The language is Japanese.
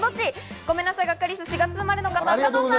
ごめんなさい、ガッカりす、４月生まれの方、加藤さん。